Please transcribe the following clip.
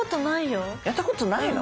やったことないよ。